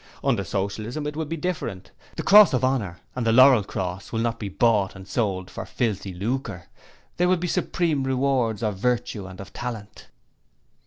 'Under Socialism it will be different. The Cross of Honour and the Laurel Crown will not be bought and sold for filthy lucre. They will be the supreme rewards of Virtue and of Talent.'